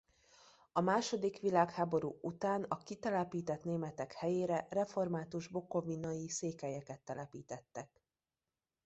A második világháború után a kitelepített németek helyére református bukovinai székelyeket telepítettek.